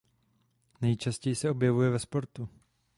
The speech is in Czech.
Nejčastěji se objevuje ve sportu.